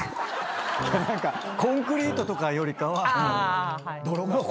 何かコンクリートとかよりかは泥が好き。